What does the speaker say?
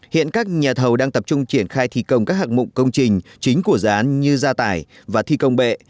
hiện các nhà thầu đang tập trung triển khai thi công các hạc mụn công trình chính của dự án như gia tải và thi công bệ